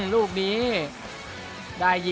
สวัสดีครับ